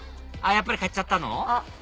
やっぱり買っちゃったの？